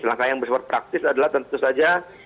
langkah yang bersifat praktis adalah tentu saja